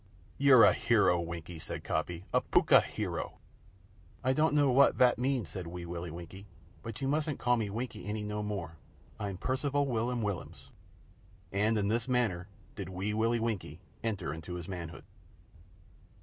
"You're a hero, Winkie," said Coppy "a pukka hero!" "I don't know what vat means," said Wee Willie Winkie, "but you mustn't call me Winkie any no more. I'm Percival Will'am Will'ams." And in this manner did Wee Willie Winkie enter into his manhood.